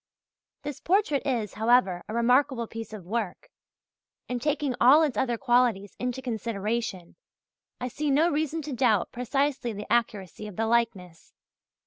This portrait is, however, a remarkable piece of work, and taking all its other qualities into consideration, I see no reason to doubt precisely the accuracy of the likeness.